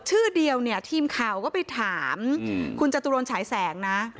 ชื่อเดียวเนี่ยทีมข่าวก็ไปถามคุณจตุรนฉายแสงนะ